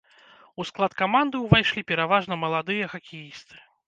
У склад каманды ўвайшлі пераважна маладыя хакеісты.